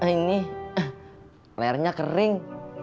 ini lehernya kering